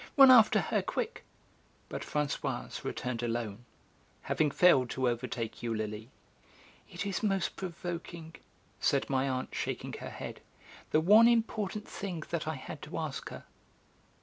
Run after her, quick!" But Françoise returned alone, having failed to overtake Eulalie. "It is most provoking," said my aunt, shaking her head. "The one important thing that I had to ask her."